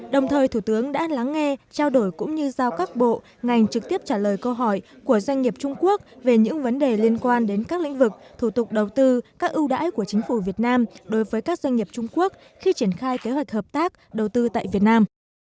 đồng thời thủ tướng đã lắng nghe trao đổi cũng như giao các bộ ngành trực tiếp trả lời câu hỏi của doanh nghiệp trung quốc về những vấn đề liên quan đến các lĩnh vực thủ tục đầu tư các ưu đãi của chính phủ việt nam đối với các doanh nghiệp trung quốc khi triển khai kế hoạch hợp tác đầu tư tại việt nam